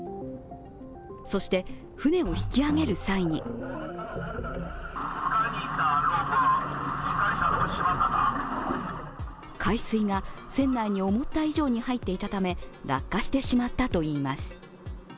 そして船を引き揚げる際に海水が船内に思った以上に入っていたため落下してしまったといいます。